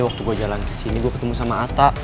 waktu gue jalan kesini gue ketemu sama atta